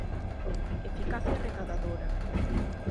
Eficacia recadadora.